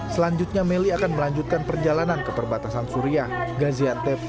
selanjutnya meli akan melanjutkan perjalanan ke perbatasan suriah gaziantep